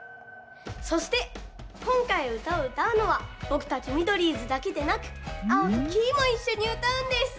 そしてこんかいうたをうたうのはぼくたちミドリーズだけでなくアオとキイもいっしょにうたうんです。